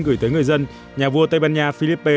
gửi tới người dân nhà vua tây ban nha philippe